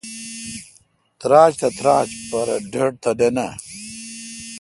تراچ تہ تراچ پرہ ڈھٹ تہ نہ نہ